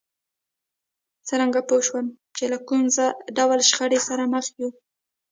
څرنګه پوه شو چې له کوم ډول شخړې سره مخ يو؟